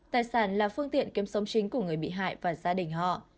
tài sản là phương tiện kiếm sống chính của người bị hại và gia đình họ